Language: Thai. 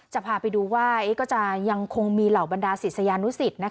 จะพาไปดูว่าก็จะยังคงมีเหล่าบรรดาศิษยานุสิต